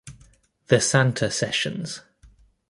The Santa Sessions.